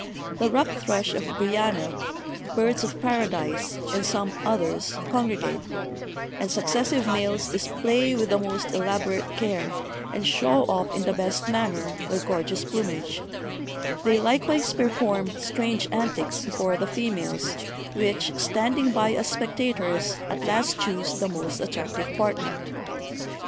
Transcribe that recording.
The rock thrush of Guiana, birds of paradise, and some oth ers, congregate; and successive males display with the most elaborate care, and show off in the best manner, their gorgeous plumage; they likewise perform strange antics before the females, which, standing by as spectators, at last choose the most attractive partner.